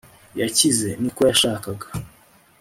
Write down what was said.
yakize , niko yashakaga